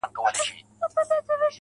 وخ شراب وخ – وخ – وخ، مستي ويسو پر ټولو~